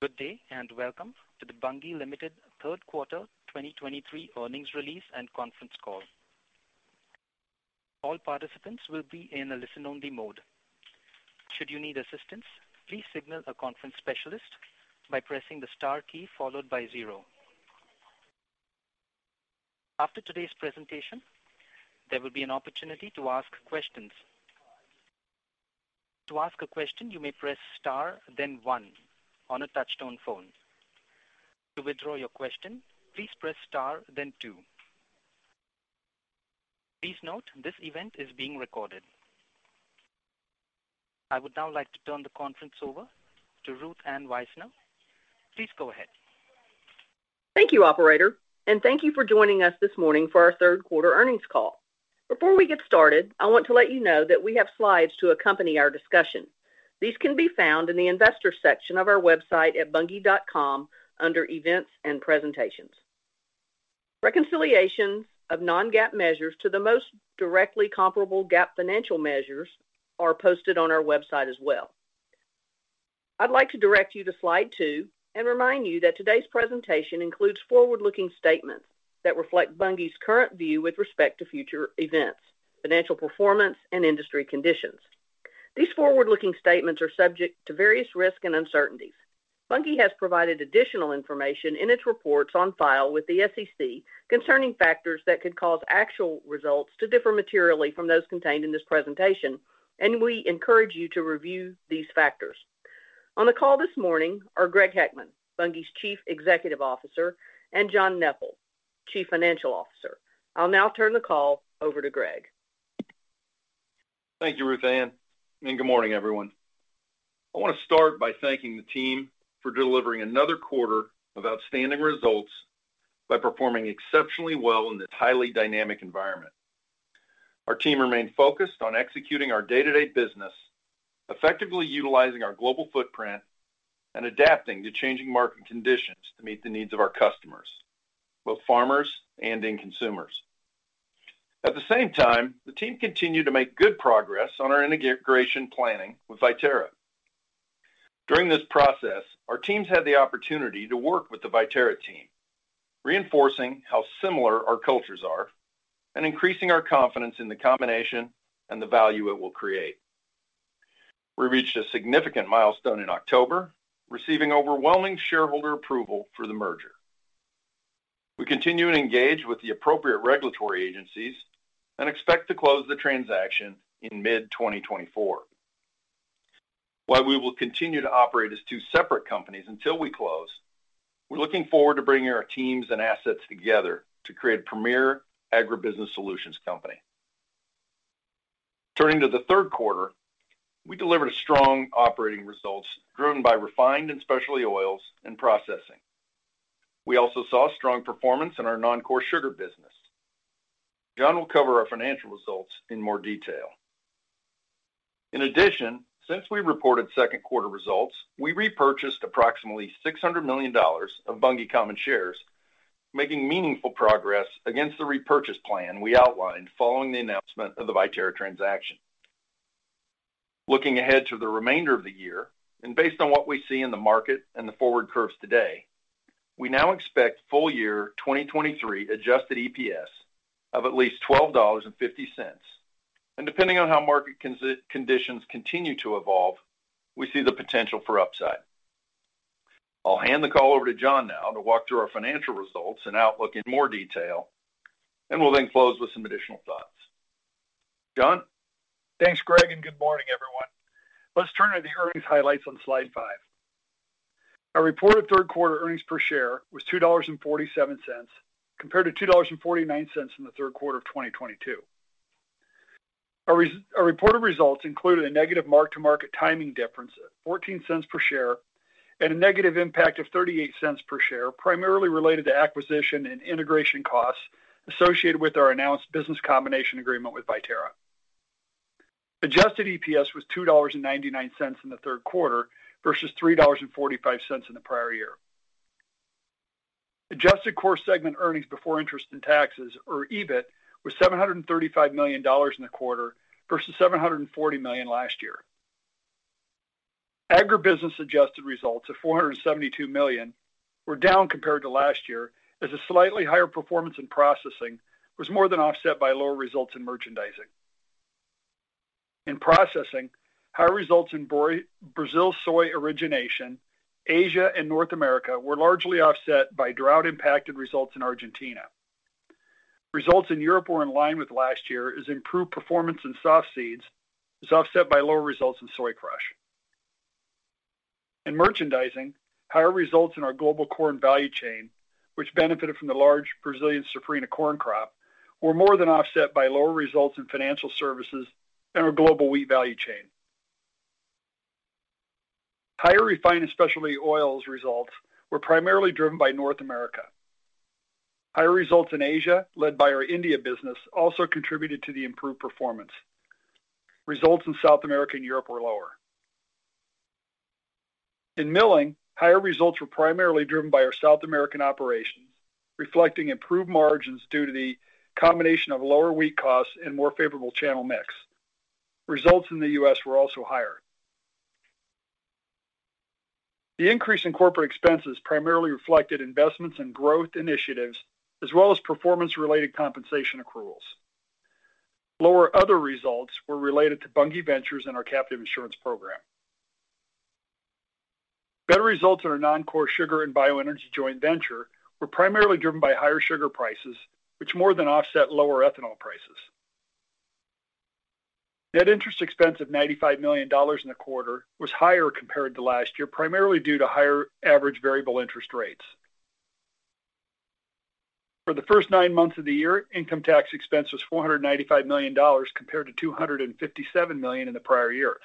Good day, and welcome to the Bunge Limited Q32023 earnings release and conference call. All participants will be in a listen-only mode. Should you need assistance, please signal a conference specialist by pressing the star key followed by zero. After today's presentation, there will be an opportunity to ask questions. To ask a question, you may press Star, then one on a touchtone phone. To withdraw your question, please press Star then two. Please note, this event is being recorded. I would now like to turn the conference over to Ruth Ann Wisener. Please go ahead. Thank you, operator, and thank you for joining us this morning for our Q3 earnings call. Before we get started, I want to let you know that we have slides to accompany our discussion. These can be found in the Investors section of our website at bunge.com under Events and Presentations. Reconciliations of non-GAAP measures to the most directly comparable GAAP financial measures are posted on our website as well. I'd like to direct you to slide two and remind you that today's presentation includes forward-looking statements that reflect Bunge's current view with respect to future events, financial performance, and industry conditions. These forward-looking statements are subject to various risks and uncertainties. Bunge has provided additional information in its reports on file with the SEC concerning factors that could cause actual results to differ materially from those contained in this presentation, and we encourage you to review these factors. On the call this morning are Greg Heckman, Bunge's Chief Executive Officer, and John Neppl, Chief Financial Officer. I'll now turn the call over to Greg. Thank you, Ruth Ann, and good morning, everyone. I want to start by thanking the team for delivering another quarter of outstanding results by performing exceptionally well in this highly dynamic environment. Our team remained focused on executing our day-to-day business, effectively utilizing our global footprint and adapting to changing market conditions to meet the needs of our customers, both farmers and end consumers. At the same time, the team continued to make good progress on our integration planning with Viterra. During this process, our teams had the opportunity to work with the Viterra team, reinforcing how similar our cultures are and increasing our confidence in the combination and the value it will create. We reached a significant milestone in October, receiving overwhelming shareholder approval for the merger. We continue to engage with the appropriate regulatory agencies and expect to close the transaction in mid-2024. While we will continue to operate as two separate companies until we close, we're looking forward to bringing our teams and assets together to create a premier agribusiness solutions company. Turning to Q3, we delivered a strong operating results, driven by refined and specialty oils and processing. We also saw strong performance in our non-core sugar business. John will cover our financial results in more detail. In addition, since we reported Q2 results, we repurchased approximately $600 million of Bunge common shares, making meaningful progress against the repurchase plan we outlined following the announcement of the Viterra transaction. Looking ahead to the remainder of the year, and based on what we see in the market and the forward curves today, we now expect full year 2023 adjusted EPS of at least $12.50, and depending on how market conditions continue to evolve, we see the potential for upside. I'll hand the call over to John now to walk through our financial results and outlook in more detail, and will then close with some additional thoughts. John? Thanks, Greg, and good morning, everyone. Let's turn to the earnings highlights on slide 5. Our reported Q3 earnings per share was $2.47, compared to $2.49 in Q3 of 2022. Our reported results included a negative mark-to-market timing difference of $0.14 per share and a negative impact of $0.38 per share, primarily related to acquisition and integration costs associated with our announced business combination agreement with Viterra. Adjusted EPS was $2.99 in Q3 versus $3.45 in the prior year. Adjusted core segment earnings before interest and taxes, or EBIT, was $735 million in the quarter versus $740 million last year. Agribusiness adjusted results of $472 million were down compared to last year, as a slightly higher performance in processing was more than offset by lower results in merchandising. In processing, higher results in Brazil soy origination, Asia, and North America were largely offset by drought-impacted results in Argentina. Results in Europe were in line with last year as improved performance in soft seeds was offset by lower results in soy crush. In merchandising, higher results in our global corn value chain, which benefited from the large Brazilian Safrinha corn crop, were more than offset by lower results in financial services and our global wheat value chain. Higher refined and specialty oils results were primarily driven by North America. Higher results in Asia, led by our India business, also contributed to the improved performance. Results in South America and Europe were lower. In milling, higher results were primarily driven by our South American operations, reflecting improved margins due to the combination of lower wheat costs and more favorable channel mix. Results in the U.S. were also higher. The increase in corporate expenses primarily reflected investments in growth initiatives, as well as performance-related compensation accruals. Lower other results were related to Bunge Ventures and our captive insurance program. Better results in our non-core sugar and bioenergy joint venture were primarily driven by higher sugar prices, which more than offset lower ethanol prices. Net interest expense of $95 million in the quarter was higher compared to last year, primarily due to higher average variable interest rates. For the first nine months of the year, income tax expense was $495 million, compared to $257 million in the prior year.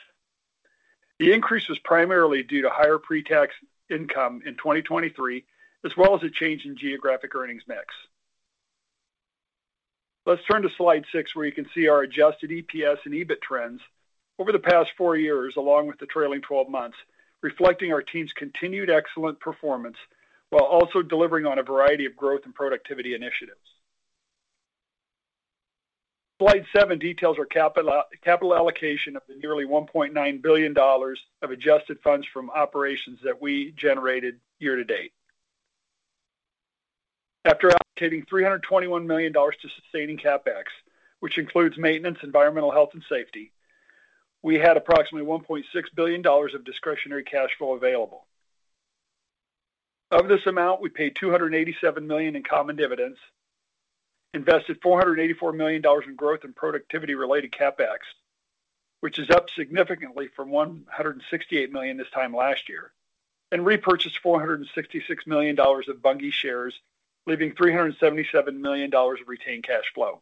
The increase was primarily due to higher pre-tax income in 2023, as well as a change in geographic earnings mix. Let's turn to slide 6, where you can see our adjusted EPS and EBIT trends over the past four years, along with the trailing twelve months, reflecting our team's continued excellent performance while also delivering on a variety of growth and productivity initiatives. Slide 7 details our capital allocation of the nearly $1.9 billion of adjusted funds from operations that we generated year to date. After allocating $321 million to sustaining CapEx, which includes maintenance, environmental, health, and safety, we had approximately $1.6 billion of discretionary cash flow available. Of this amount, we paid $287 million in common dividends, invested $484 million in growth and productivity-related CapEx, which is up significantly from $168 million this time last year, and repurchased $466 million of Bunge shares, leaving $377 million of retained cash flow.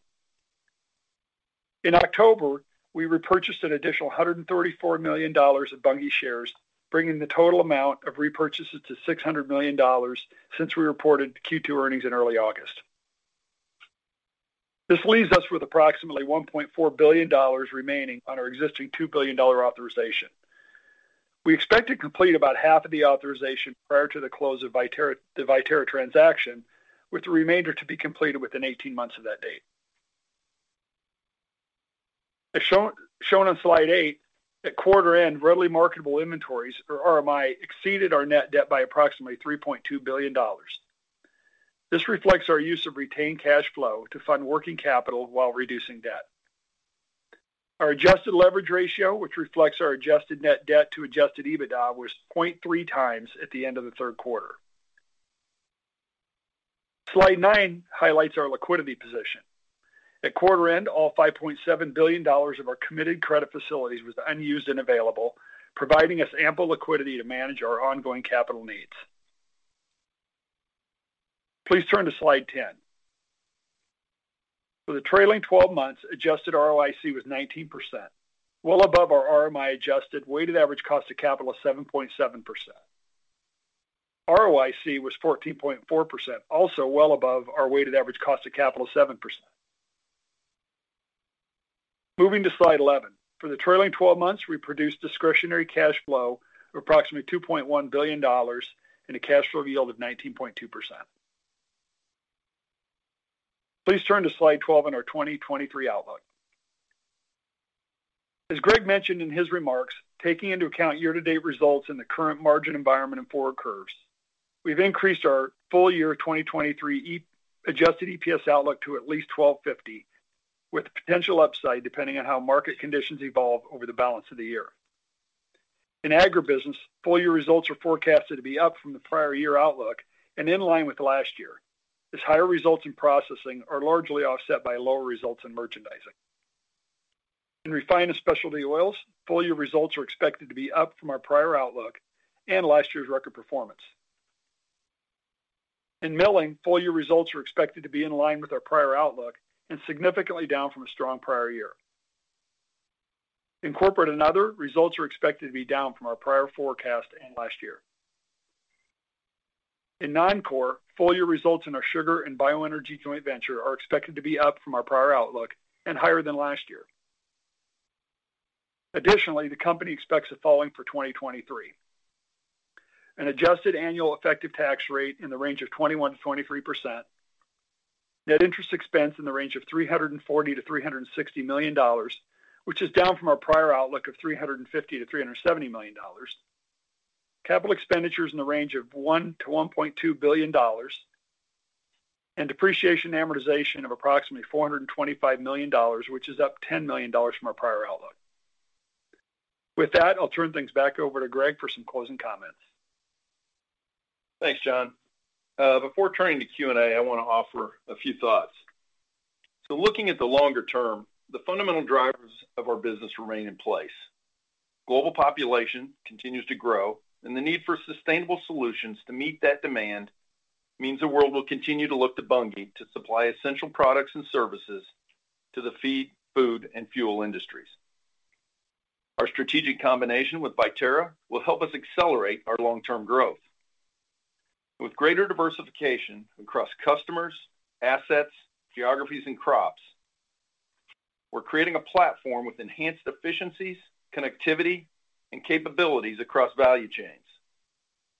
In October, we repurchased an additional $134 million of Bunge shares, bringing the total amount of repurchases to $600 million since we reported Q2 earnings in early August. This leaves us with approximately $1.4 billion remaining on our existing $2 billion authorization. We expect to complete about half of the authorization prior to the close of Viterra, the Viterra transaction, with the remainder to be completed within 18 months of that date. As shown on slide eight, at quarter end, readily marketable inventories, or RMI, exceeded our net debt by approximately $3.2 billion. This reflects our use of retained cash flow to fund working capital while reducing debt. Our adjusted leverage ratio, which reflects our adjusted net debt to adjusted EBITDA, was 0.3x at the end of Q3. Slide nine highlights our liquidity position. At quarter end, all $5.7 billion of our committed credit facilities was unused and available, providing us ample liquidity to manage our ongoing capital needs. Please turn to slide 10. For the trailing twelve months, adjusted ROIC was 19%, well above our RMI-adjusted weighted average cost of capital of 7.7%. ROIC was 14.4%, also well above our weighted average cost of capital of 7%. Moving to slide 11. For the trailing twelve months, we produced discretionary cash flow of approximately $2.1 billion and a cash flow yield of 19.2%. Please turn to slide 12 in our 2023 outlook. As Greg mentioned in his remarks, taking into account year-to-date results in the current margin environment and forward curves, we've increased our full-year 2023 adjusted EPS outlook to at least $12.50, with potential upside, depending on how market conditions evolve over the balance of the year. In agribusiness, full-year results are forecasted to be up from the prior-year outlook and in line with last year, as higher results in processing are largely offset by lower results in merchandising. In refined and specialty oils, full-year results are expected to be up from our prior outlook and last year's record performance. In milling, full year results are expected to be in line with our prior outlook and significantly down from a strong prior year. In corporate and other, results are expected to be down from our prior forecast and last year. In non-core, full year results in our sugar and bioenergy joint venture are expected to be up from our prior outlook and higher than last year. Additionally, the company expects the following for 2023: an adjusted annual effective tax rate in the range of 21%-23%, net interest expense in the range of $340 million-$360 million, which is down from our prior outlook of $350 million-$370 million, capital expenditures in the range of $1 billion-$1.2 billion, and depreciation and amortization of approximately $425 million, which is up $10 million from our prior outlook. With that, I'll turn things back over to Greg for some closing comments. Thanks, John. Before turning to Q&A, I want to offer a few thoughts. So looking at the longer term, the fundamental drivers of our business remain in place. Global population continues to grow, and the need for sustainable solutions to meet that demand means the world will continue to look to Bunge to supply essential products and services to the feed, food, and fuel industries. Our strategic combination with Viterra will help us accelerate our long-term growth. With greater diversification across customers, assets, geographies, and crops, we're creating a platform with enhanced efficiencies, connectivity, and capabilities across value chains....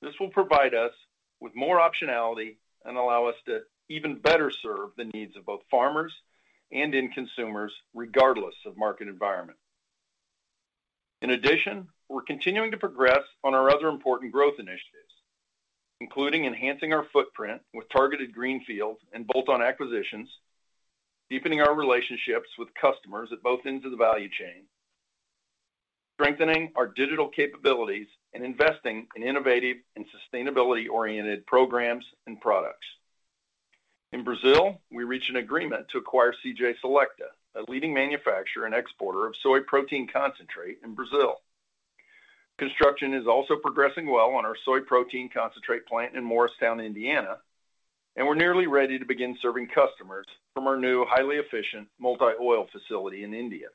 This will provide us with more optionality and allow us to even better serve the needs of both farmers and end consumers, regardless of market environment. In addition, we're continuing to progress on our other important growth initiatives, including enhancing our footprint with targeted greenfields and bolt-on acquisitions, deepening our relationships with customers at both ends of the value chain, strengthening our digital capabilities, and investing in innovative and sustainability-oriented programs and products. In Brazil, we reached an agreement to acquire CJ Selecta, a leading manufacturer and exporter of soy protein concentrate in Brazil. Construction is also progressing well on our soy protein concentrate plant in Morristown, Indiana, and we're nearly ready to begin serving customers from our new highly efficient multi-oil facility in India.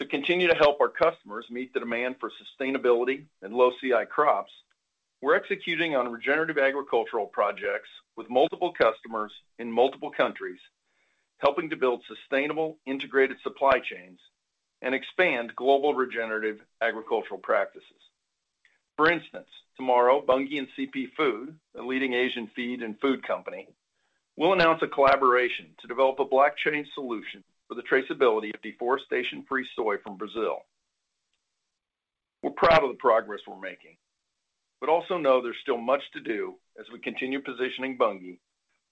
To continue to help our customers meet the demand for sustainability and low CI crops, we're executing on regenerative agricultural projects with multiple customers in multiple countries, helping to build sustainable, integrated supply chains and expand global regenerative agricultural practices. For instance, tomorrow, Bunge and CP Foods, a leading Asian feed and food company, will announce a collaboration to develop a blockchain solution for the traceability of deforestation-free soy from Brazil. We're proud of the progress we're making, but also know there's still much to do as we continue positioning Bunge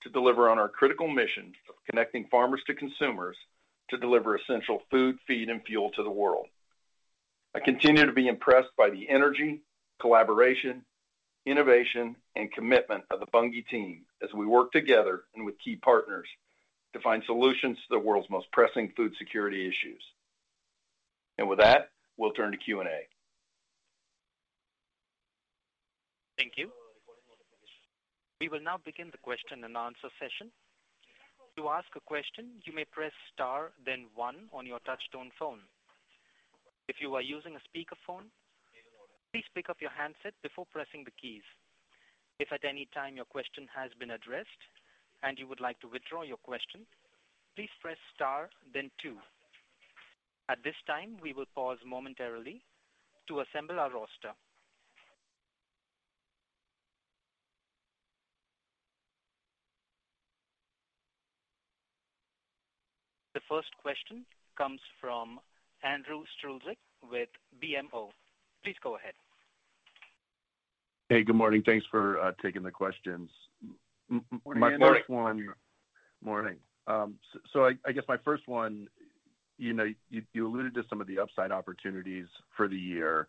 to deliver on our critical mission of connecting farmers to consumers to deliver essential food, feed, and fuel to the world. I continue to be impressed by the energy, collaboration, innovation, and commitment of the Bunge team as we work together and with key partners to find solutions to the world's most pressing food security issues. With that, we'll turn to Q&A. Thank you. We will now begin the question-and-answer session. To ask a question, you may press star, then one on your touchtone phone. If you are using a speakerphone, please pick up your handset before pressing the keys. If at any time your question has been addressed and you would like to withdraw your question, please press star, then two. At this time, we will pause momentarily to assemble our roster. The first question comes from Andrew Strelzik with BMO. Please go ahead. Hey, good morning. Thanks for taking the questions. Good morning. My first one—Morning. So, I guess my first one, you know, you alluded to some of the upside opportunities for the year,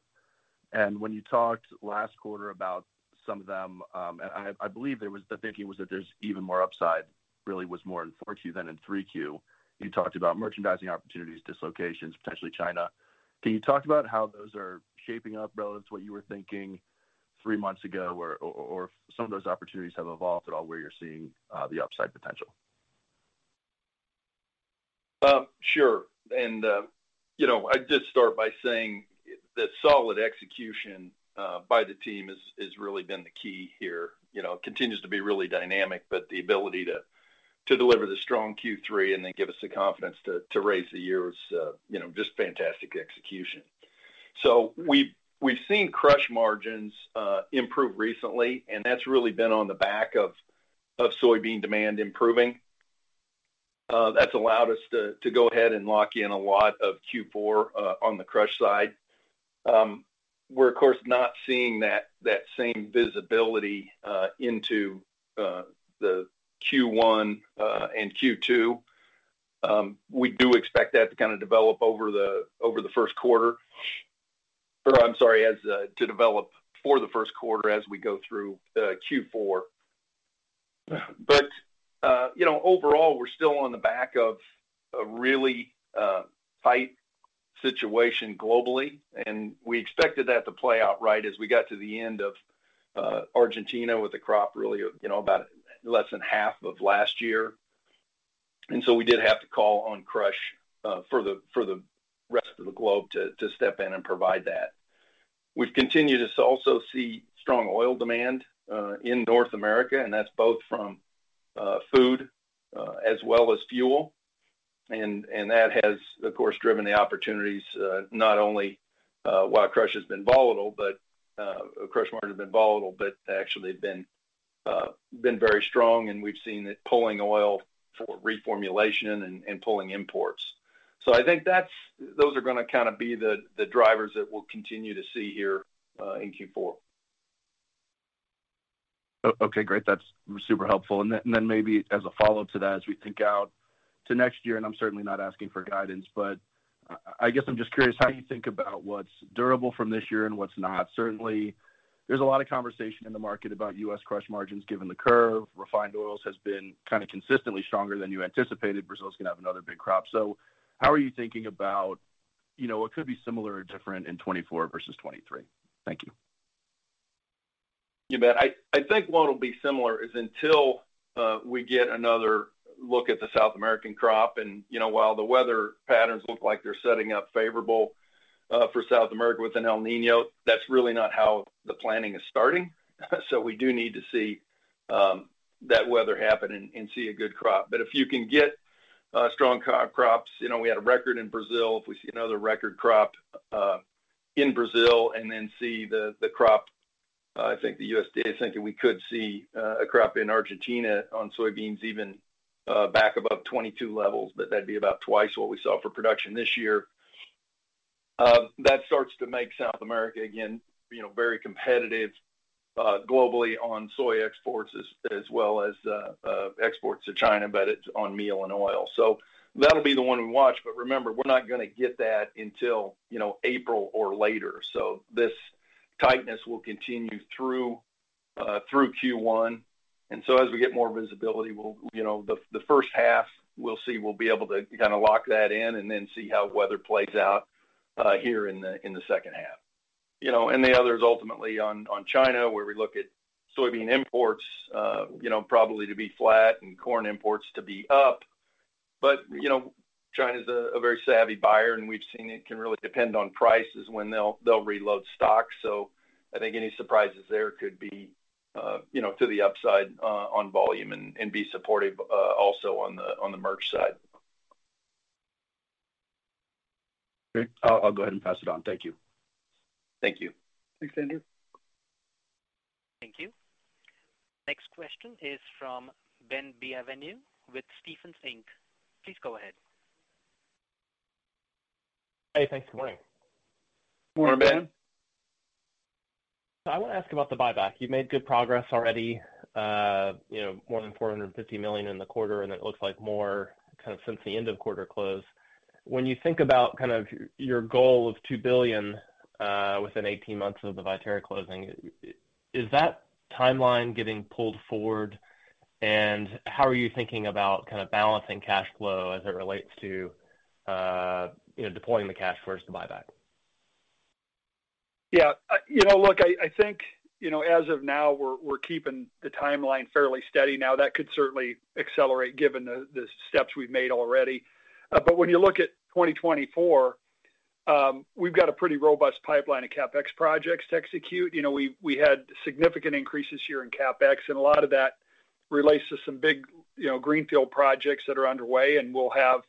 and when you talked last quarter about some of them, and I believe the thinking was that there's even more upside, really was more in four Q than in three Q. You talked about merchandising opportunities, dislocations, potentially China. Can you talk about how those are shaping up relative to what you were thinking three months ago, or if some of those opportunities have evolved at all, where you're seeing the upside potential? Sure. And, you know, I did start by saying that solid execution by the team is really been the key here. You know, it continues to be really dynamic, but the ability to deliver the strong Q3 and then give us the confidence to raise the year was, you know, just fantastic execution. So we've seen crush margins improve recently, and that's really been on the back of soybean demand improving. That's allowed us to go ahead and lock in a lot of Q4 on the crush side. We're, of course, not seeing that same visibility into the Q1 and Q2. We do expect that to kind of develop over Q1, or I'm sorry, as to develop for Q1 as we go through Q4. But you know, overall, we're still on the back of a really tight situation globally, and we expected that to play out right as we got to the end of Argentina with a crop really, you know, about less than half of last year. And so we did have to call on crush for the rest of the globe to step in and provide that. We've continued to also see strong oil demand in North America, and that's both from food as well as fuel. That has, of course, driven the opportunities, not only while crush has been volatile, but crush market has been volatile, but actually been very strong, and we've seen it pulling oil for reformulation and pulling imports. So I think that's those are gonna kinda be the drivers that we'll continue to see here in Q4. Okay, great. That's super helpful. And then maybe as a follow-up to that, as we think out to next year, and I'm certainly not asking for guidance, but I guess I'm just curious how you think about what's durable from this year and what's not. Certainly, there's a lot of conversation in the market about U.S. crush margins, given the curve. Refined oils has been kind of consistently stronger than you anticipated. Brazil is going to have another big crop. So how are you thinking about, you know, what could be similar or different in 2024 versus 2023? Thank you. You bet. I think what will be similar is until we get another look at the South American crop, and, you know, while the weather patterns look like they're setting up favorable for South America with an El Niño, that's really not how the planning is starting. So we do need to see that weather happen and see a good crop. But if you can get strong crops. You know, we had a record in Brazil. If we see another record crop in Brazil and then see the crop, I think the USDA is thinking we could see a crop in Argentina on soybeans even back above 22 levels, but that'd be about twice what we saw for production this year. That starts to make South America again, you know, very competitive globally on soy exports as, as well as exports to China, but it's on meal and oil. So that'll be the one we watch. But remember, we're not gonna get that until, you know, April or later. So this tightness will continue through through Q1. And so as we get more visibility, we'll you know, H1, we'll see. We'll be able to kinda lock that in and then see how weather plays out here in H2. You know, and the other is ultimately on China, where we look at soybean imports, you know, probably to be flat and corn imports to be up. But, you know, China's a very savvy buyer, and we've seen it can really depend on prices when they'll reload stocks. So I think any surprises there could be, you know, to the upside on volume and be supportive also on the merch side. Great. I'll go ahead and pass it on. Thank you. Thank you. Thanks, Andrew. Thank you. Next question is from Ben Bienvenu with Stephens Inc. Please go ahead. Hey, thanks. Good morning. Good morning, Ben. Morning. So I wanna ask about the buyback. You've made good progress already, you know, more than $450 million in the quarter, and it looks like more kind of since the end of quarter close. When you think about kind of your goal of $2 billion, within 18 months of the Viterra closing, is that timeline getting pulled forward? And how are you thinking about kind of balancing cash flow as it relates to, you know, deploying the cash versus the buyback? Yeah, you know, look, I, I think, you know, as of now, we're, we're keeping the timeline fairly steady. Now, that could certainly accelerate given the, the steps we've made already. But when you look at 2024, we've got a pretty robust pipeline of CapEx projects to execute. You know, we, we had significant increases here in CapEx, and a lot of that relates to some big, you know, greenfield projects that are underway, and we'll have,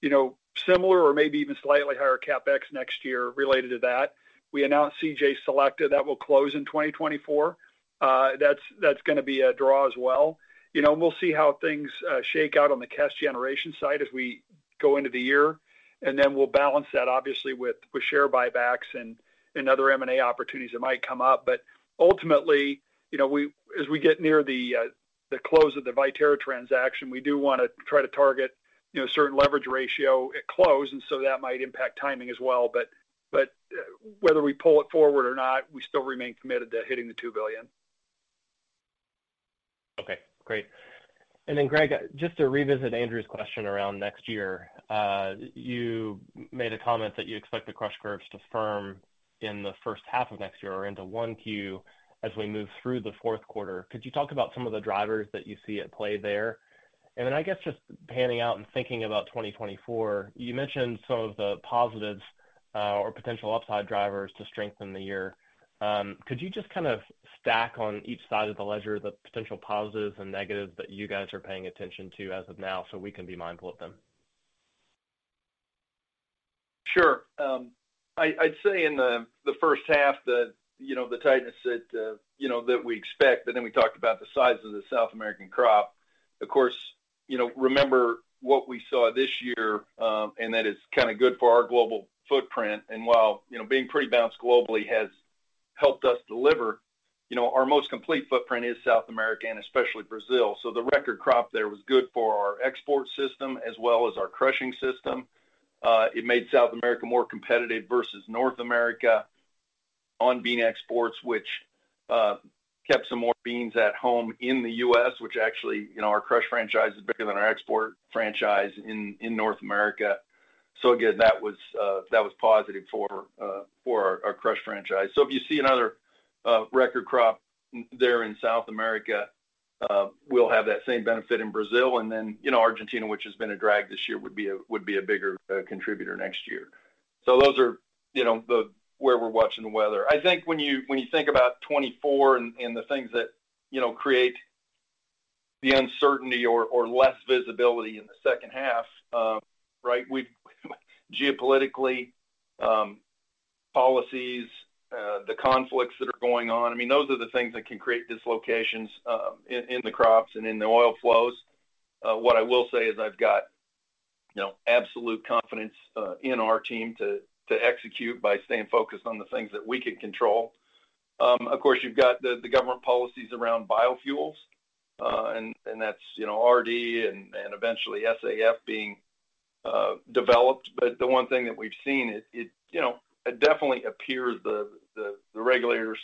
you know, similar or maybe even slightly higher CapEx next year related to that. We announced CJ Selecta. That will close in 2024. That's, that's gonna be a draw as well. You know, we'll see how things shake out on the cash generation side as we go into the year, and then we'll balance that, obviously, with share buybacks and other M&A opportunities that might come up. But ultimately, you know, we—as we get near the close of the Viterra transaction, we do wanna try to target, you know, a certain leverage ratio at close, and so that might impact timing as well. But whether we pull it forward or not, we still remain committed to hitting the $2 billion. Okay, great. And then, Greg, just to revisit Andrew's question around next year, you made a comment that you expect the crush curves to firm in H1 of next year or into 1Q as we move through Q4. Could you talk about some of the drivers that you see at play there? And then, I guess, just panning out and thinking about 2024, you mentioned some of the positives, or potential upside drivers to strengthen the year. Could you just kind of stack on each side of the ledger, the potential positives and negatives that you guys are paying attention to as of now, so we can be mindful of them? Sure. I'd say in H1 that, you know, the tightness that, you know, that we expect, but then we talked about the size of the South American crop. Of course, you know, remember what we saw this year, and that is kinda good for our global footprint. And while, you know, being pretty balanced globally has helped us deliver, you know, our most complete footprint is South America, and especially Brazil. So the record crop there was good for our export system as well as our crushing system. It made South America more competitive versus North America on bean exports, which kept some more beans at home in the U.S., which actually, you know, our crush franchise is bigger than our export franchise in North America. So again, that was positive for our crush franchise. So if you see another record crop there in South America, we'll have that same benefit in Brazil, and then, you know, Argentina, which has been a drag this year, would be a bigger contributor next year. So those are, you know, the where we're watching the weather. I think when you think about 2024 and the things that, you know, create the uncertainty or less visibility in H2, right? Geopolitically, policies, the conflicts that are going on, I mean, those are the things that can create dislocations in the crops and in the oil flows. What I will say is I've got, you know, absolute confidence in our team to execute by staying focused on the things that we can control. Of course, you've got the government policies around biofuels, and that's, you know, RD and eventually SAF being developed. But the one thing that we've seen, it definitely appears the regulators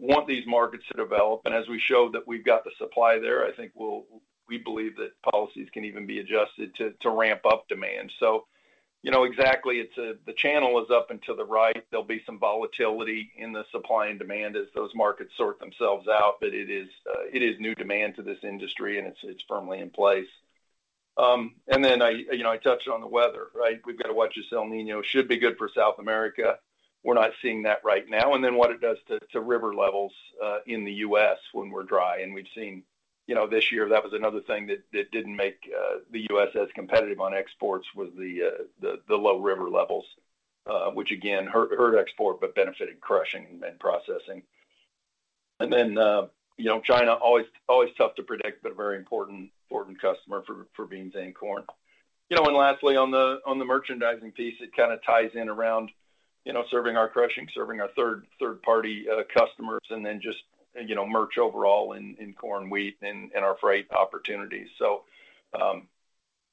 want these markets to develop. And as we show that we've got the supply there, I think we'll, we believe that policies can even be adjusted to ramp up demand. So, you know, exactly, it's a, the channel is up and to the right. There'll be some volatility in the supply and demand as those markets sort themselves out, but it is, it is new demand to this industry, and it's firmly in place. And then I, you know, I touched on the weather, right? We've got to watch this El Niño. Should be good for South America. We're not seeing that right now. And then what it does to river levels in the U.S. when we're dry, and we've seen, you know, this year, that was another thing that didn't make the U.S. as competitive on exports, was the low river levels. Which again, hurt export, but benefited crushing and processing. And then, you know, China, always tough to predict, but a very important customer for beans and corn. You know, and lastly, on the merchandising piece, it kind of ties in around, you know, serving our crushing, serving our third-party customers, and then just, you know, merch overall in corn, wheat, and our freight opportunities. So,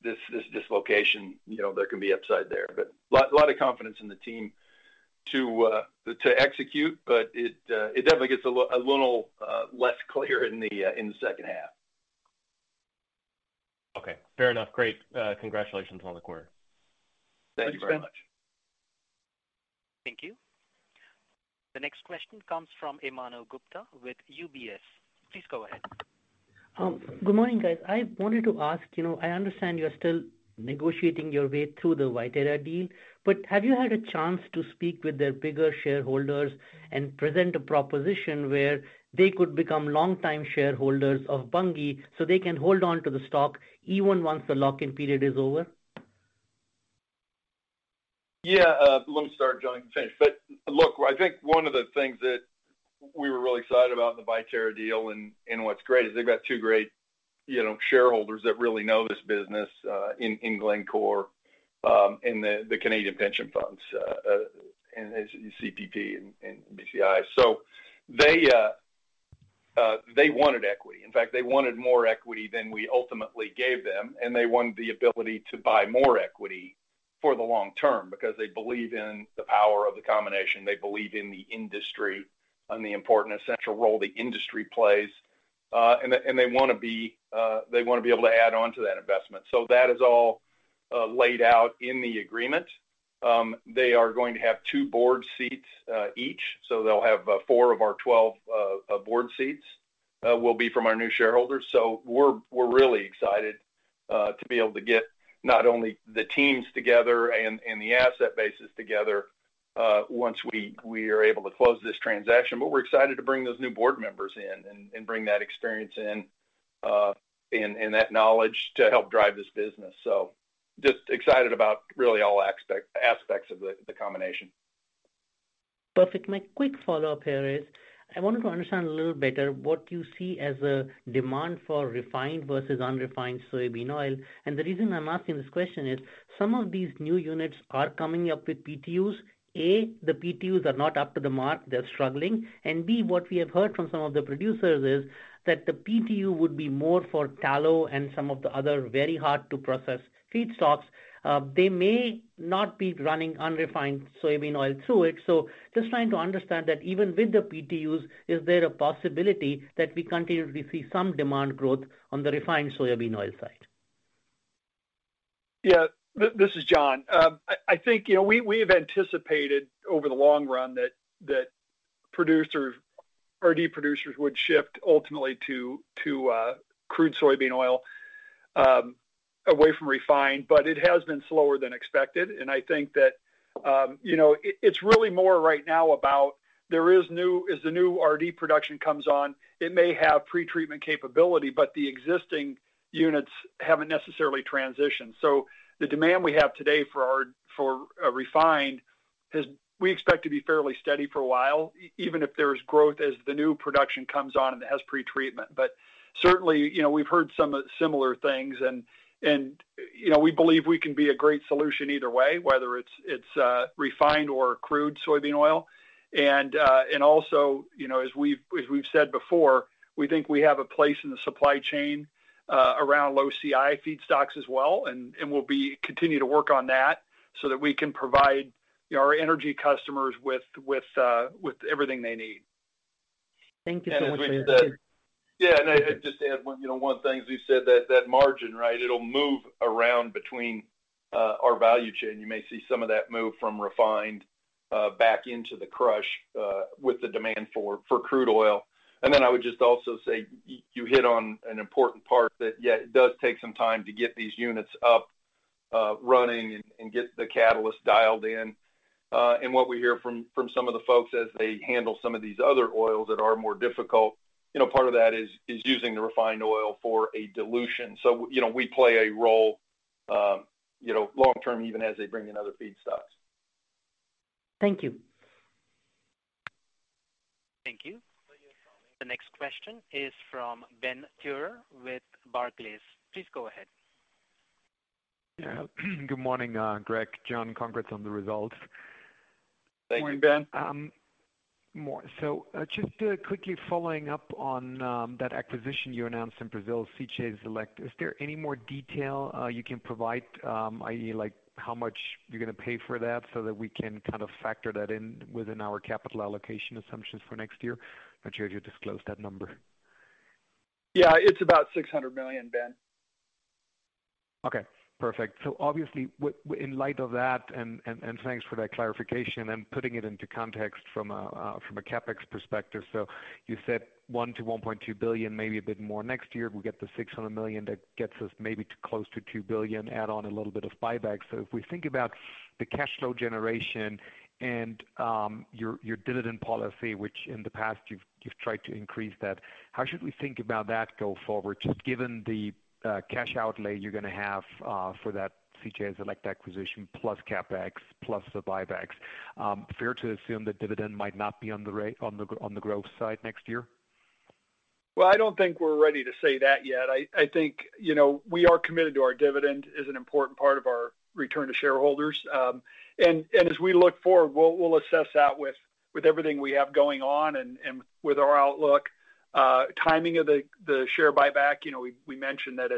this dislocation, you know, there can be upside there. But a lot of confidence in the team to execute, but it definitely gets a little less clear in H2. Okay, fair enough. Great. Congratulations on the quarter. Thank you very much. Thank you. The next question comes from Manav Gupta with UBS. Please go ahead. Good morning, guys. I wanted to ask, you know, I understand you're still negotiating your way through the Viterra deal, but have you had a chance to speak with their bigger shareholders and present a proposition where they could become longtime shareholders of Bunge, so they can hold on to the stock even once the lock-in period is over? Yeah, let me start, John can finish. But look, I think one of the things that we were really excited about in the Viterra deal, and, and what's great, is they've got two great, you know, shareholders that really know this business, in, in Glencore, and the, the Canadian pension funds, and CPP and, and BCI. So they, they wanted equity. In fact, they wanted more equity than we ultimately gave them, and they wanted the ability to buy more equity for the long term because they believe in the power of the combination. They believe in the industry and the important essential role the industry plays. And they, and they wanna be, they wanna be able to add on to that investment. So that is all, laid out in the agreement. They are going to have 2 board seats each, so they'll have 4 of our 12 board seats will be from our new shareholders. So we're really excited to be able to get not only the teams together and the asset bases together once we are able to close this transaction, but we're excited to bring those new board members in and bring that experience in and that knowledge to help drive this business. So just excited about really all aspects of the combination. Perfect. My quick follow-up here is, I wanted to understand a little better what you see as a demand for refined versus unrefined soybean oil. The reason I'm asking this question is, some of these new units are coming up with PTUs. A, the PTUs are not up to the mark, they're struggling, and B, what we have heard from some of the producers is that the PTU would be more for tallow and some of the other very hard-to-process feedstocks. They may not be running unrefined soybean oil through it. So just trying to understand that even with the PTUs, is there a possibility that we continually see some demand growth on the refined soybean oil side? Yeah. This is John. I think, you know, we have anticipated over the long run that producers, RD producers would shift ultimately to crude soybean oil away from refined, but it has been slower than expected. And I think that, you know, it's really more right now about as the new RD production comes on, it may have pretreatment capability, but the existing units haven't necessarily transitioned. So the demand we have today for our refined we expect to be fairly steady for a while, even if there is growth as the new production comes on and it has pretreatment. But certainly, you know, we've heard some similar things and, you know, we believe we can be a great solution either way, whether it's refined or crude soybean oil. Also, you know, as we've said before, we think we have a place in the supply chain around low CI feedstocks as well, and we'll continue to work on that so that we can provide, you know, our energy customers with everything they need. Thank you so much. And as we said... Yeah, and I'd just add one, you know, one thing, as you said, that margin, right? It'll move around between our value chain. You may see some of that move from refined back into the crush with the demand for crude oil. And then I would just also say, you hit on an important part that, yeah, it does take some time to get these units up running and get the catalyst dialed in. And what we hear from some of the folks as they handle some of these other oils that are more difficult, you know, part of that is using the refined oil for a dilution. So, you know, we play a role, you know, long term, even as they bring in other feedstocks. Thank you. Thank you. The next question is from Ben Theurer with Barclays. Please go ahead. Yeah. Good morning, Greg, John. Congrats on the results. Thank you, Ben. So, just quickly following up on that acquisition you announced in Brazil, CJ Selecta, is there any more detail you can provide? i.e., like how much you're gonna pay for that so that we can kind of factor that in within our capital allocation assumptions for next year? Not sure if you disclosed that number. Yeah, it's about $600 million, Ben.... Okay, perfect. So obviously, in light of that, and thanks for that clarification and putting it into context from a CapEx perspective. So you said $1-$1.2 billion, maybe a bit more next year. We'll get the $600 million that gets us maybe to close to $2 billion, add on a little bit of buyback. So if we think about the cash flow generation and your dividend policy, which in the past you've tried to increase that, how should we think about that go forward, just given the cash outlay you're gonna have for that CJ Selecta acquisition, plus CapEx, plus the buybacks? Fair to assume that dividend might not be on the growth side next year? Well, I don't think we're ready to say that yet. I think, you know, we are committed to our dividend is an important part of our return to shareholders. And as we look forward, we'll assess that with everything we have going on and with our outlook. Timing of the share buyback, you know, we mentioned that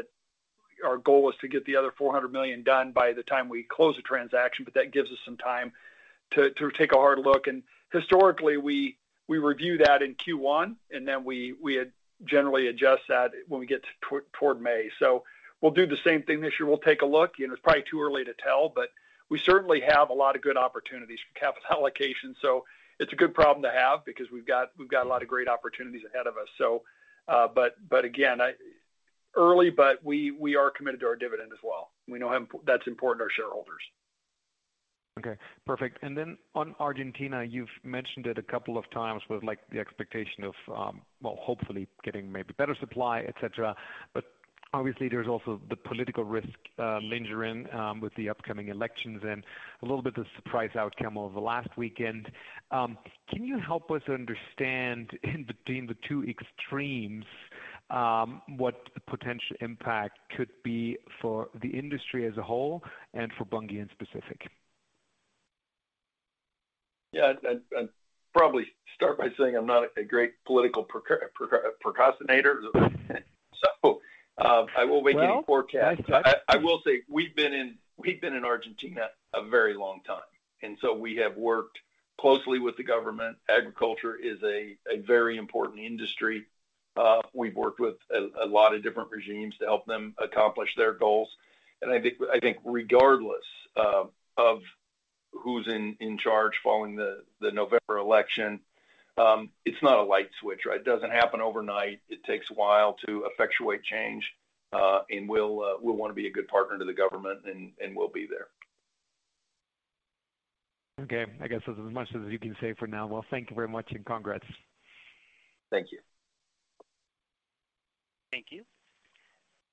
our goal was to get the other $400 million done by the time we close the transaction, but that gives us some time to take a hard look. And historically, we review that in Q1, and then we generally adjust that when we get toward May. So we'll do the same thing this year. We'll take a look. You know, it's probably too early to tell, but we certainly have a lot of good opportunities for capital allocation. So it's a good problem to have because we've got a lot of great opportunities ahead of us. But again, it's early, but we are committed to our dividend as well. We know how important that is to our shareholders. Okay, perfect. And then on Argentina, you've mentioned it a couple of times with, like, the expectation of, well, hopefully getting maybe better supply, et cetera. But obviously, there's also the political risk lingering with the upcoming elections and a little bit of surprise outcome over the last weekend. Can you help us understand in between the two extremes what the potential impact could be for the industry as a whole and for Bunge in specific? Yeah, I'd probably start by saying I'm not a great political precognator. So, I will make any forecast. Well? I will say we've been in Argentina a very long time, and so we have worked closely with the government. Agriculture is a very important industry. We've worked with a lot of different regimes to help them accomplish their goals. And I think regardless of who's in charge following the November election, it's not a light switch, right? It doesn't happen overnight. It takes a while to effectuate change, and we'll want to be a good partner to the government, and we'll be there. Okay, I guess that's as much as you can say for now. Well, thank you very much, and congrats. Thank you. Thank you.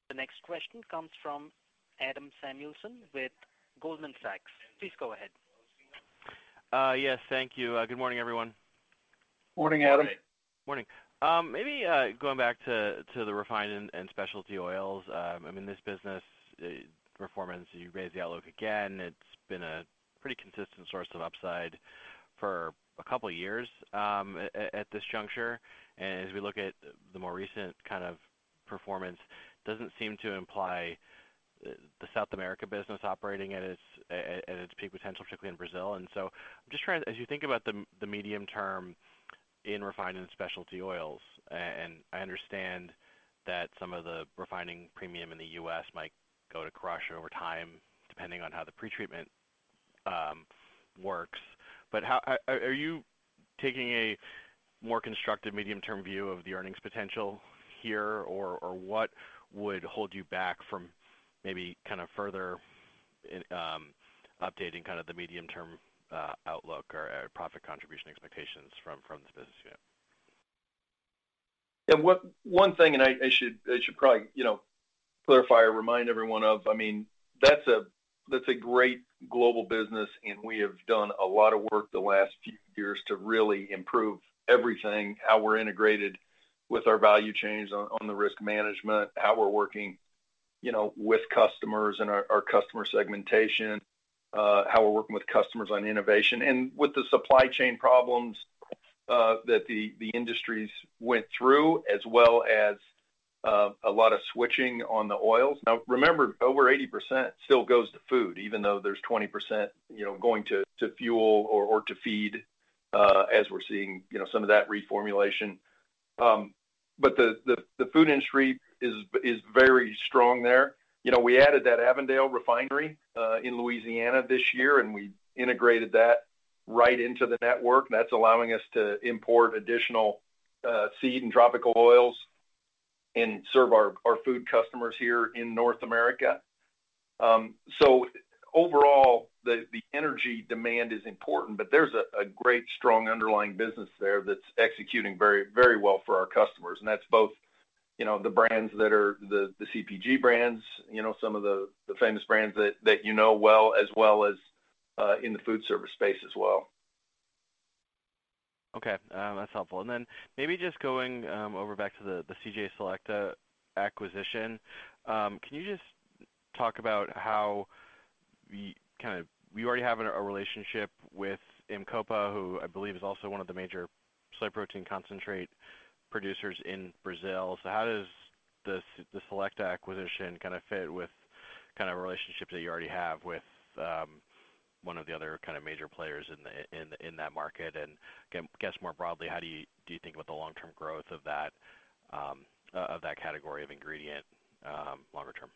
The next question comes from Adam Samuelson with Goldman Sachs. Please go ahead. Yes, thank you. Good morning, everyone. Morning, Adam. Morning. Maybe going back to the refined and specialty oils. I mean, this business performance, you raised the outlook again. It's been a pretty consistent source of upside for a couple of years at this juncture. And as we look at the more recent kind of performance, doesn't seem to imply the South America business operating at its peak potential, particularly in Brazil. And so I'm just trying to... As you think about the medium term in refining specialty oils, and I understand that some of the refining premium in the U.S. might go to crush over time, depending on how the pretreatment works. But how are you taking a more constructive medium-term view of the earnings potential here, or what would hold you back from maybe kind of further updating kind of the medium-term outlook or profit contribution expectations from this business unit? Yeah, one thing, and I should probably, you know, clarify or remind everyone of, I mean, that's a great global business, and we have done a lot of work the last few years to really improve everything, how we're integrated with our value chains on the risk management, how we're working, you know, with customers and our customer segmentation, how we're working with customers on innovation. And with the supply chain problems that the industries went through, as well as a lot of switching on the oils. Now, remember, over 80% still goes to food, even though there's 20%, you know, going to fuel or to feed, as we're seeing, you know, some of that reformulation. But the food industry is very strong there. You know, we added that Avondale refinery in Louisiana this year, and we integrated that right into the network. That's allowing us to import additional seed and tropical oils and serve our food customers here in North America. So overall, the energy demand is important, but there's a great strong underlying business there that's executing very, very well for our customers, and that's both, you know, the brands that are the CPG brands, you know, some of the famous brands that you know well, as well as in the food service space as well. Okay, that's helpful. And then maybe just going over back to the CJ Selecta acquisition. Can you just talk about how you kind of, you already have a relationship with Imcopa, who I believe is also one of the major soy protein concentrate producers in Brazil. So how does the Select acquisition kind of fit with kind of relationship that you already have with, one of the other kind of major players in that market? And then, I guess, more broadly, how do you think about the long-term growth of that category of ingredient longer term?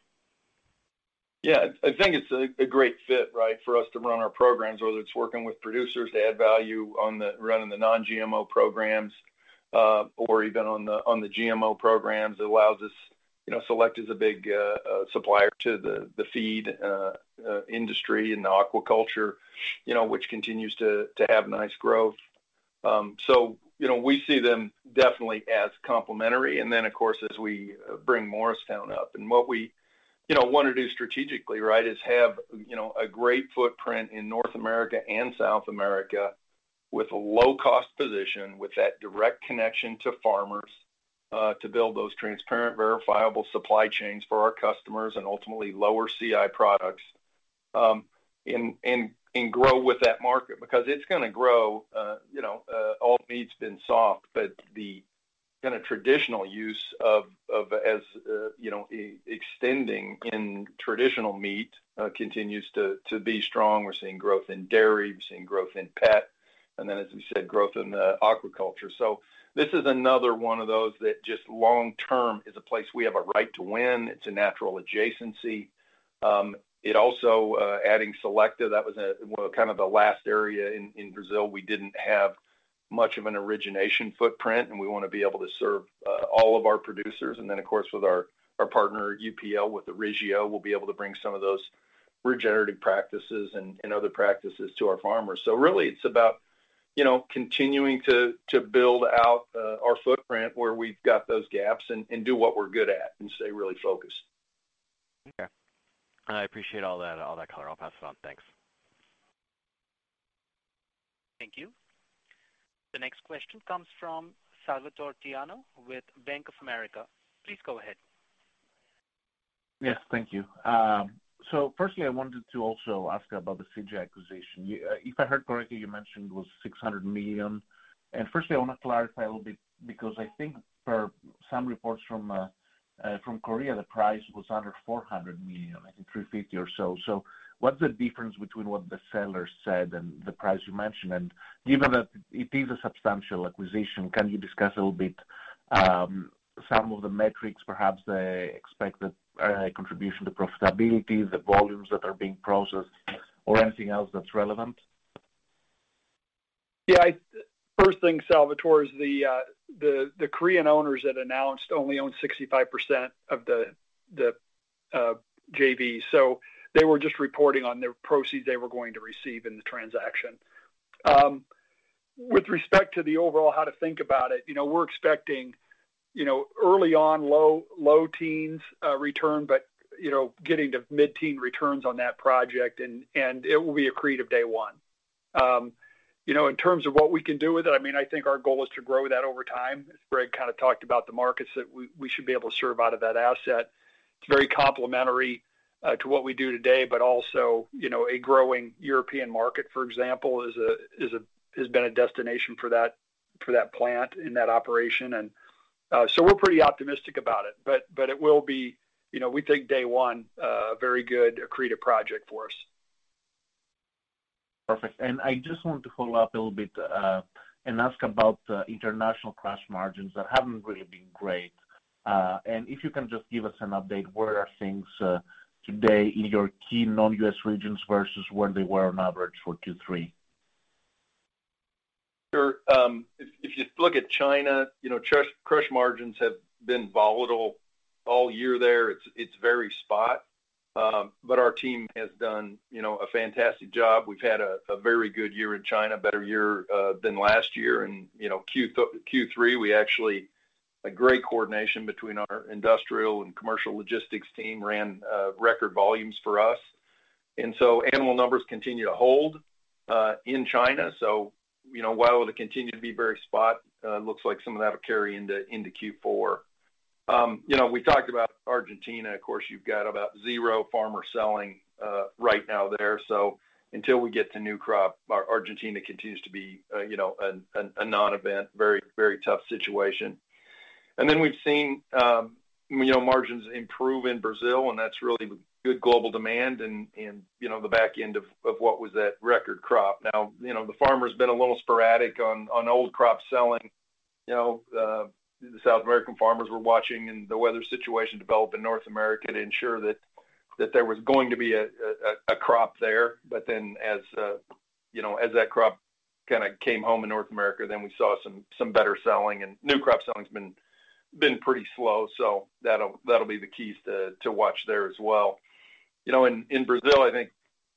Yeah, I think it's a great fit, right, for us to run our programs, whether it's working with producers to add value on running the non-GMO programs, or even on the GMO programs. It allows us, you know, Select is a big supplier to the feed industry and the aquaculture, you know, which continues to have nice growth. So, you know, we see them definitely as complementary. And then, of course, as we bring Morristown up and what we, you know, want to do strategically, right, is have, you know, a great footprint in North America and South America with a low-cost position, with that direct connection to farmers to build those transparent, verifiable supply chains for our customers and ultimately lower CI products, and grow with that market. Because it's gonna grow, you know, all meat's been soft, but the kind of traditional use of, as you know, extending in traditional meat continues to be strong. We're seeing growth in dairy, we're seeing growth in pet, and then, as you said, growth in the aquaculture. So this is another one of those that just long term is a place we have a right to win. It's a natural adjacency. It also, adding Selecta, that was a kind of the last area in Brazil. We didn't have much of an origination footprint, and we want to be able to serve all of our producers. And then, of course, with our partner, UPL, with Orígeo, we'll be able to bring some of those regenerative practices and other practices to our farmers. Really, it's about, you know, continuing to build out our footprint where we've got those gaps and do what we're good at and stay really focused. Okay. I appreciate all that, all that color. I'll pass it on. Thanks. Thank you. The next question comes from Salvator Tiano with Bank of America. Please go ahead. Yes, thank you. So firstly, I wanted to also ask about the CJ acquisition. You – If I heard correctly, you mentioned it was $600 million. And firstly, I want to clarify a little bit, because I think per some reports from, from Korea, the price was under $400 million, I think $350 or so. So what's the difference between what the seller said and the price you mentioned? And given that it is a substantial acquisition, can you discuss a little bit, some of the metrics, perhaps the expected, contribution to profitability, the volumes that are being processed, or anything else that's relevant? Yeah, first thing, Salvator, is the Korean owners that announced only own 65% of the JV. So they were just reporting on the proceeds they were going to receive in the transaction. With respect to the overall, how to think about it, you know, we're expecting, you know, early on, low teens return, but, you know, getting to mid-teen returns on that project, and it will be accretive day one. You know, in terms of what we can do with it, I mean, I think our goal is to grow that over time. As Greg kind of talked about the markets that we should be able to serve out of that asset. It's very complementary to what we do today, but also, you know, a growing European market, for example, has been a destination for that plant in that operation. And so we're pretty optimistic about it. But it will be, you know, we think day one, very good accretive project for us. Perfect. And I just want to follow up a little bit, and ask about international crush margins that haven't really been great. And if you can just give us an update, where are things today in your key non-US regions versus where they were on average for Q3? Sure. If you look at China, you know, crush margins have been volatile all year there. It's very spot. But our team has done, you know, a fantastic job. We've had a very good year in China, better year than last year. And, you know, Q3, we actually had a great coordination between our industrial and commercial logistics team ran record volumes for us. And so animal numbers continue to hold in China. So, you know, while it will continue to be very spot, it looks like some of that will carry into Q4. You know, we talked about Argentina. Of course, you've got about zero farmer selling right now there. So until we get to new crop, Argentina continues to be, you know, a non-event. Very, very tough situation. And then we've seen, you know, margins improve in Brazil, and that's really good global demand and, you know, the back end of what was that record crop. Now, you know, the farmer has been a little sporadic on old crop selling. You know, the South American farmers were watching and the weather situation develop in North America to ensure that there was going to be a crop there. But then as, you know, as that crop kind of came home in North America, then we saw some better selling and new crop selling has been pretty slow, so that'll be the keys to watch there as well. You know, in Brazil, I think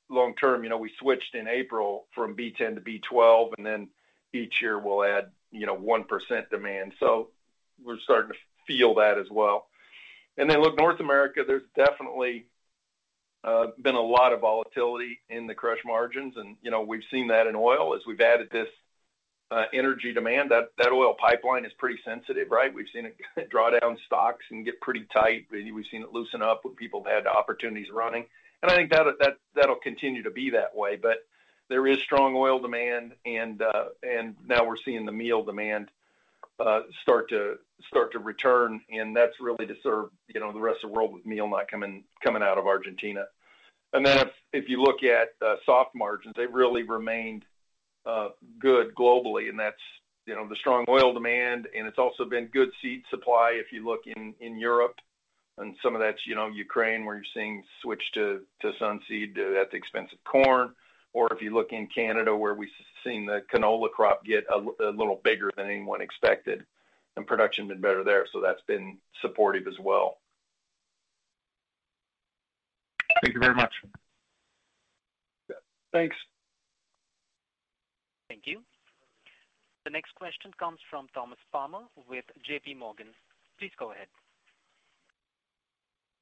long term, you know, we switched in April from B10 to B12, and then each year we'll add, you know, 1% demand. So we're starting to feel that as well. And then, look, North America, there's definitely been a lot of volatility in the crush margins, and, you know, we've seen that in oil. As we've added this energy demand, that oil pipeline is pretty sensitive, right? We've seen it draw down stocks and get pretty tight. We've seen it loosen up when people have had opportunities running. And I think that, that'll continue to be that way. But there is strong oil demand, and now we're seeing the meal demand... Start to return, and that's really to serve, you know, the rest of the world with meal not coming out of Argentina. And then if you look at soft margins, they've really remained good globally, and that's, you know, the strong oil demand, and it's also been good seed supply. If you look in Europe, and some of that's, you know, Ukraine, where you're seeing switch to sunflower seed at the expense of corn. Or if you look in Canada, where we've seen the canola crop get a little bigger than anyone expected, and production been better there, so that's been supportive as well. Thank you very much. Yeah. Thanks. Thank you. The next question comes from Thomas Palmer with JPMorgan. Please go ahead.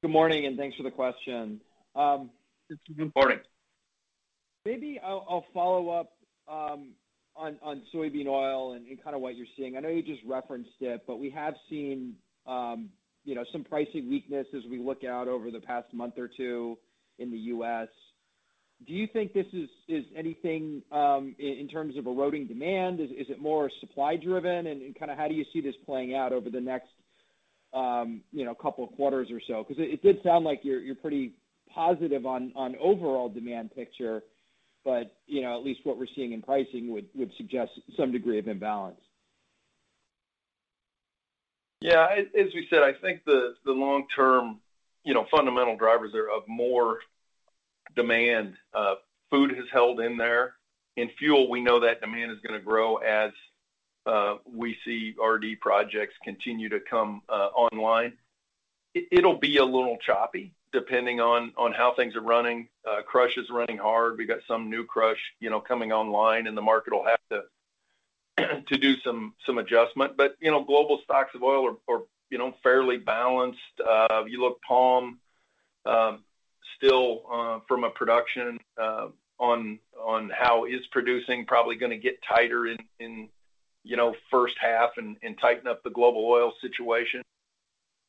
Good morning, and thanks for the question. Good morning. Maybe I'll follow up on soybean oil and kinda what you're seeing. I know you just referenced it, but we have seen, you know, some pricing weakness as we look out over the past month or two in the U.S. Do you think this is anything in terms of eroding demand? Is it more supply driven? And kinda how do you see this playing out over the next, you know, couple of quarters or so? 'Cause it did sound like you're pretty positive on overall demand picture, but, you know, at least what we're seeing in pricing would suggest some degree of imbalance. Yeah, as we said, I think the long-term, you know, fundamental drivers are of more demand. Food has held in there. In fuel, we know that demand is gonna grow as we see RD projects continue to come online. It'll be a little choppy, depending on how things are running. Crush is running hard. We've got some new crush, you know, coming online, and the market will have to do some adjustment. But, you know, global stocks of oil are, you know, fairly balanced. If you look palm, still, from a production, on how it's producing, probably gonna get tighter in, you know, H1 and tighten up the global oil situation.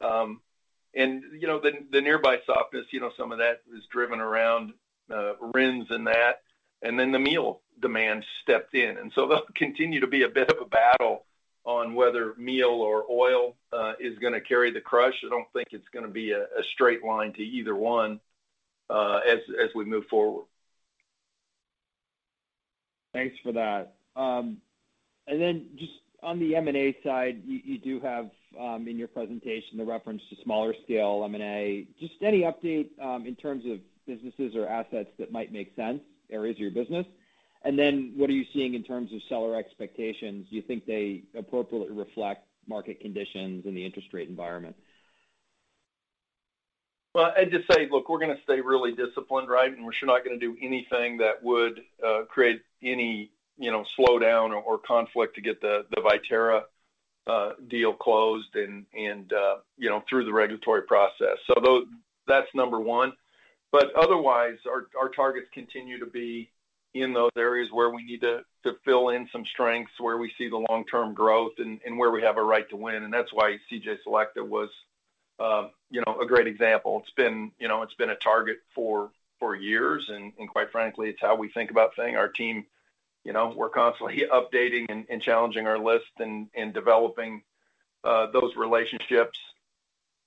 You know, the nearby softness, you know, some of that is driven around RINs and that, and then the meal demand stepped in. And so they'll continue to be a bit of a battle on whether meal or oil is gonna carry the crush. I don't think it's gonna be a straight line to either one, as we move forward. Thanks for that. And then just on the M&A side, you, you do have, in your presentation, the reference to smaller scale M&A. Just any update, in terms of businesses or assets that might make sense, areas of your business? And then, what are you seeing in terms of seller expectations? Do you think they appropriately reflect market conditions in the interest rate environment? Well, I'd just say, look, we're gonna stay really disciplined, right? And we're sure not gonna do anything that would create any, you know, slowdown or conflict to get the Viterra deal closed and, you know, through the regulatory process. So that's number one. But otherwise, our targets continue to be in those areas where we need to fill in some strengths, where we see the long-term growth and where we have a right to win, and that's why CJ Selecta was, you know, a great example. It's been, you know, it's been a target for years, and quite frankly, it's how we think about things. Our team, you know, we're constantly updating and challenging our list and developing those relationships,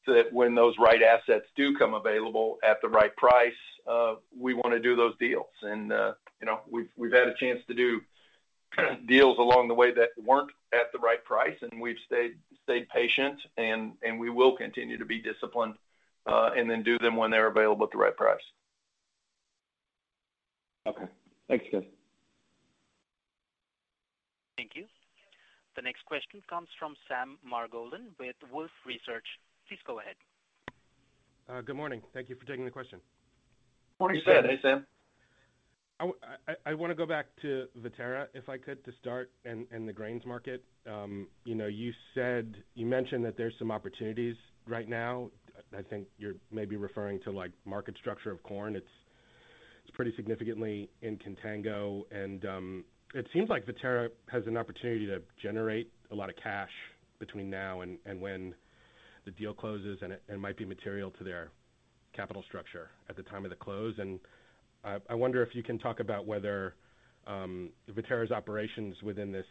so that when those right assets do come available at the right price, we wanna do those deals. You know, we've had a chance to do deals along the way that weren't at the right price, and we've stayed patient, and we will continue to be disciplined, and then do them when they're available at the right price. Okay. Thanks, guys. Thank you. The next question comes from Sam Margolin with Wolfe Research. Please go ahead. Good morning. Thank you for taking the question. Morning, Sam. Hey, Sam. I wanna go back to Viterra, if I could, to start, and the grains market. You know, you said... you mentioned that there's some opportunities right now. I think you're maybe referring to, like, market structure of corn. It's pretty significantly in contango, and it seems like Viterra has an opportunity to generate a lot of cash between now and when the deal closes, and it might be material to their capital structure at the time of the close. And I wonder if you can talk about whether Viterra's operations within this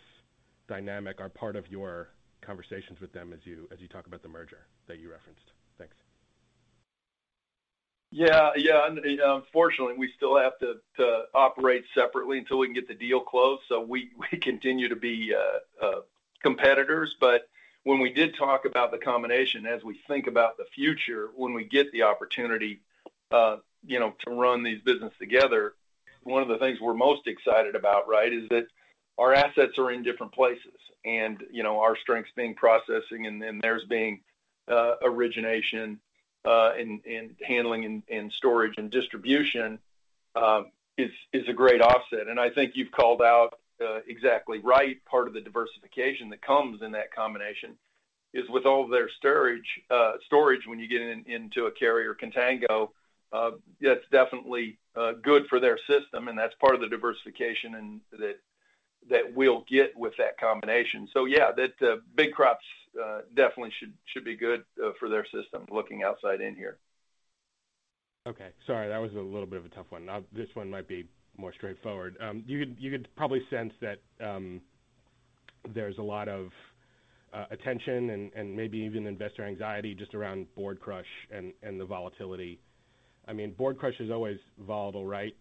dynamic are part of your conversations with them as you talk about the merger that you referenced. Thanks. Yeah. Yeah, and unfortunately, we still have to operate separately until we can get the deal closed, so we continue to be competitors. But when we did talk about the combination, as we think about the future, when we get the opportunity, you know, to run these business together, one of the things we're most excited about, right, is that our assets are in different places. And, you know, our strengths being processing, and then there's being origination, and handling and storage and distribution, is a great offset. And I think you've called out exactly right. Part of the diversification that comes in that combination is with all of their storage, storage, when you get into contango, that's definitely good for their system, and that's part of the diversification and... that we'll get with that combination. So yeah, that big crops definitely should be good for their system, looking outside in here. .Okay, sorry, that was a little bit of a tough one. Now, this one might be more straightforward. You could, you could probably sense that, there's a lot of attention and, and maybe even investor anxiety just around soy crush and, and the volatility. I mean, soy crush is always volatile, right?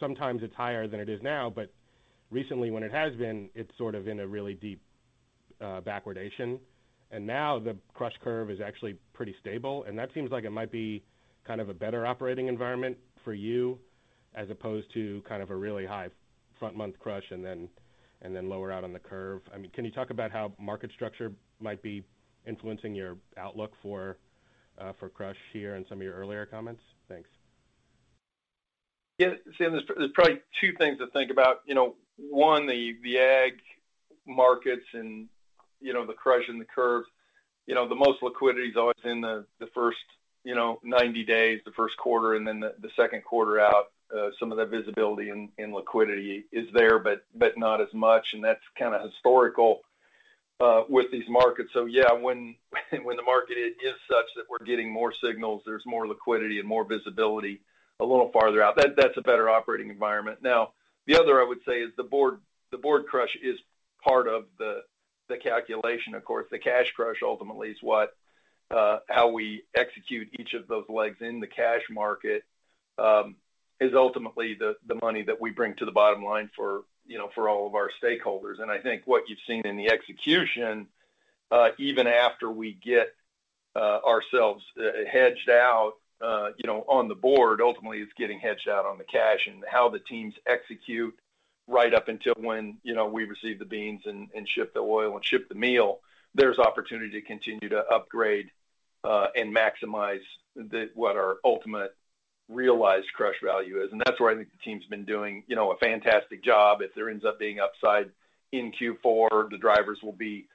Sometimes it's higher than it is now, but recently when it has been, it's sort of in a really deep backwardation, and now the crush curve is actually pretty stable, and that seems like it might be kind of a better operating environment for you, as opposed to kind of a really high front-month crush and then, and then lower out on the curve. I mean, can you talk about how market structure might be influencing your outlook for, for crush here in some of your earlier comments? Thanks. Yeah, Sam, there's probably two things to think about. You know, one, the ag markets and, you know, the crush and the curve. You know, the most liquidity is always in the first 90 days, Q1, and then Q2 out. Some of that visibility and liquidity is there, but not as much, and that's kind of historical with these markets. So yeah, when the market is such that we're getting more signals, there's more liquidity and more visibility a little farther out. That's a better operating environment. Now, the other I would say is the board, the board crush is part of the calculation. Of course, the cash crush ultimately is what... How we execute each of those legs in the cash market is ultimately the money that we bring to the bottom line for, you know, for all of our stakeholders. I think what you've seen in the execution, even after we get ourselves hedged out, you know, on the board, ultimately is getting hedged out on the cash and how the teams execute right up until when, you know, we receive the beans and ship the oil and ship the meal. There's opportunity to continue to upgrade and maximize the what our ultimate realized crush value is, and that's where I think the team's been doing, you know, a fantastic job. If there ends up being upside in Q4, the drivers will be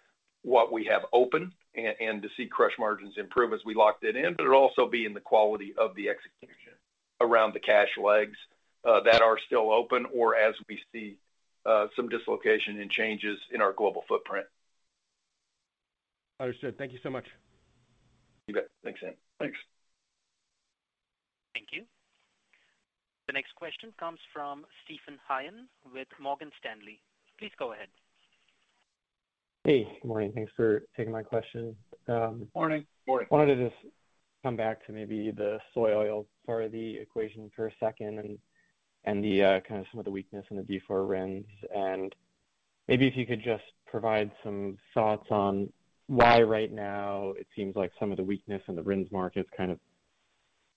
what we have open and to see crush margins improve as we locked it in, but it'll also be in the quality of the execution around the cash legs that are still open or as we see some dislocation and changes in our global footprint. Understood. Thank you so much. You bet. Thanks, Sam. Thanks. Thank you. The next question comes from Steven Haynes with Morgan Stanley. Please go ahead. Hey, good morning. Thanks for taking my question. Morning. Wanted to just come back to maybe the soy oil part of the equation for a second and the kind of some of the weakness in the D4 RINs. And maybe if you could just provide some thoughts on why right now it seems like some of the weakness in the RINs market is kind of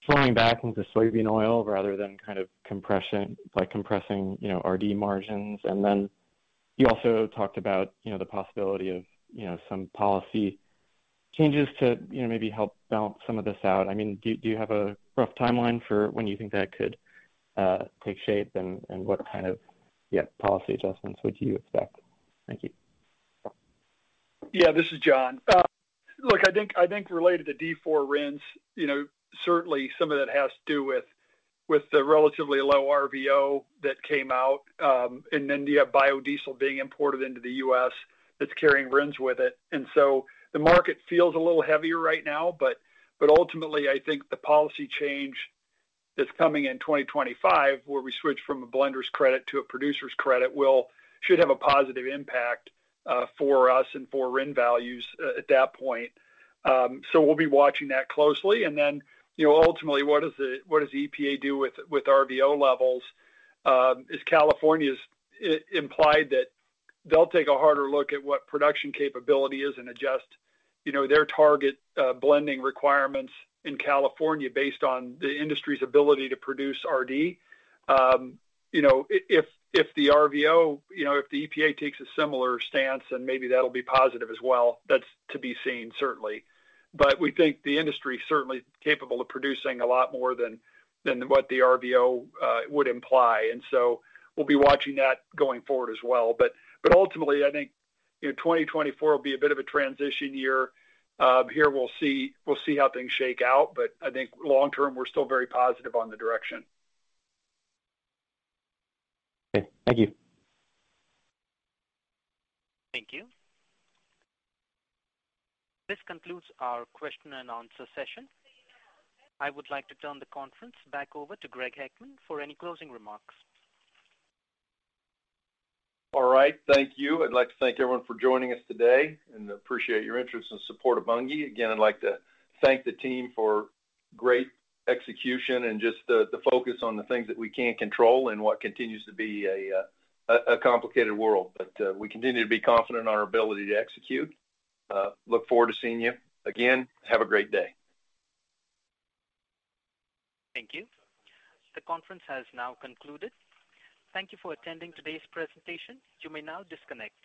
flowing back into soybean oil rather than kind of compression, like, compressing, you know, RD margins. And then you also talked about, you know, the possibility of, you know, some policy changes to, you know, maybe help balance some of this out. I mean, do you have a rough timeline for when you think that could take shape? And what kind of, yeah, policy adjustments would you expect? Thank you. Yeah, this is John. Look, I think, I think related to D4 RINs, you know, certainly some of that has to do with the relatively low RVO that came out, and then you have biodiesel being imported into the U.S. that's carrying RINs with it. And so the market feels a little heavier right now, but ultimately, I think the policy change that's coming in 2025, where we switch from a blender's credit to a producer's credit, will should have a positive impact for us and for RIN values at that point. So we'll be watching that closely. And then, you know, ultimately, what does the EPA do with RVO levels? As California's implied that they'll take a harder look at what production capability is and adjust, you know, their target blending requirements in California based on the industry's ability to produce RD. You know, if, if the RVO, you know, if the EPA takes a similar stance, then maybe that'll be positive as well. That's to be seen, certainly. But we think the industry is certainly capable of producing a lot more than what the RVO would imply, and so we'll be watching that going forward as well. But ultimately, I think, you know, 2024 will be a bit of a transition year. Here we'll see, we'll see how things shake out, but I think long term, we're still very positive on the direction. Okay. Thank you. Thank you. This concludes our question and answer session. I would like to turn the conference back over to Greg Heckman for any closing remarks. All right. Thank you. I'd like to thank everyone for joining us today, and appreciate your interest and support of Bunge. Again, I'd like to thank the team for great execution and just the focus on the things that we can control in what continues to be a complicated world. But, we continue to be confident in our ability to execute. Look forward to seeing you again. Have a great day. Thank you. The conference has now concluded. Thank you for attending today's presentation. You may now disconnect.